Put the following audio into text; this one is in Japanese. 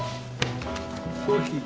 コーヒー。